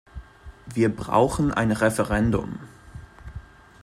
Wir brauchen ein Referendum.